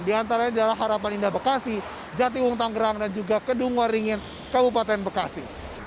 di antaranya adalah harapan indah bekasi jatiwung tanggerang dan juga kedung waringin kabupaten bekasi